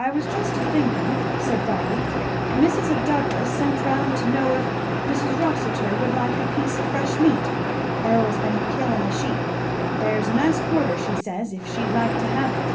"I was just a thinkin," said Barby; "Mis' Douglass sent round to know if Mis' Rossitur would like a piece of fresh meat Earl's been killing a sheep there's a nice quarter, she says, if she'd like to have it."